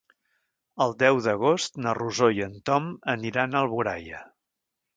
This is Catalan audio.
El deu d'agost na Rosó i en Tom aniran a Alboraia.